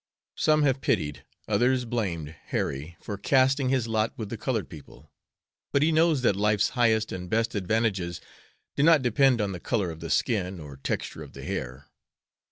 Some have pitied, others blamed, Harry for casting his lot with the colored people, but he knows that life's highest and best advantages do not depend on the color of the skin or texture of the hair.